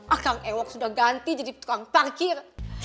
akan ewok sudah ganti jadi tukang parkir